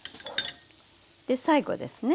で最後ですね。